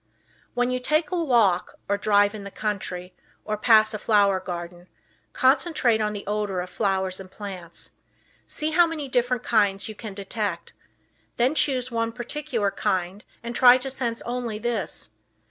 When you take a walk, or drive in the country, or pass a flower garden, concentrate on the odor of flowers and plants. See how many different kinds you can detect. Then choose one particular kind and try to sense only this.